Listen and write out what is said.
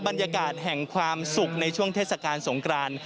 บรรยากาศแห่งความสุขในช่วงเทศกาลสงคราน